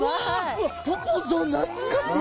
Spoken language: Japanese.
うわポポゾン懐かしい！